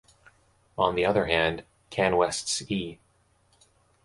On the other hand, Canwest's E!